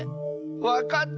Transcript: わかった！